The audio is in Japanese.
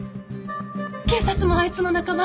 警察もあいつの仲間。